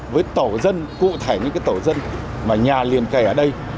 với tổ dân cụ thể những cái tổ dân mà nhà liền kề ở đây